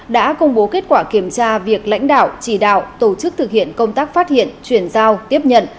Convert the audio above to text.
đã công bố kết quả kiểm tra việc lãnh đạo chỉ đạo tổ chức thực hiện công tác phát hiện chuyển giao tiếp nhận